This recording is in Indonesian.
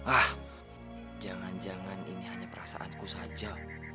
ah jangan jangan ini hanya perasaanku saja